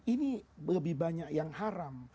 ini lebih banyak yang haram